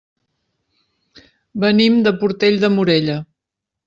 Venim de Portell de Morella.